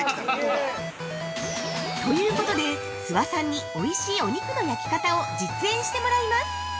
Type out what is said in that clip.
◆ということで、諏訪さんにおいしいお肉の焼き方を実演してもらいます。